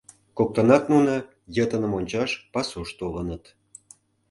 Коктынат нуно йытыным ончаш пасуш толыныт.